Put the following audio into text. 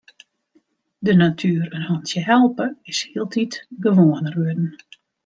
De natuer in hantsje helpe is hieltyd gewoaner wurden.